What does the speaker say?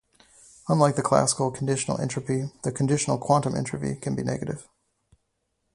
Unlike the classical conditional entropy, the conditional quantum entropy can be negative.